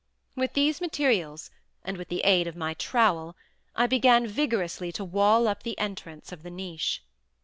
With these materials and with the aid of my trowel, I began vigorously to wall up the entrance of the niche.